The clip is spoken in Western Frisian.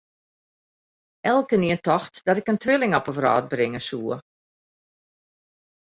Elkenien tocht dat ik in twilling op 'e wrâld bringe soe.